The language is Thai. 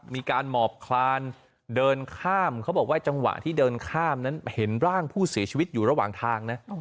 มีการหมอบคลานเดินข้ามเขาบอกว่าจังหวะที่เดินข้ามนั้นเห็นร่างผู้เสียชีวิตอยู่ระหว่างทางนะ